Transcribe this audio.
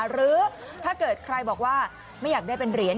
หรือถ้าเกิดใครบอกว่าไม่อยากได้เป็นเหรียญ